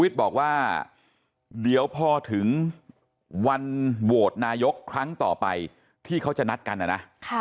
บอกว่าเดี๋ยวพอถึงวันโหวตนายกครั้งต่อไปที่เขาจะนัดกันนะนะ